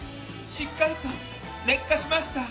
しっかりと劣化しました。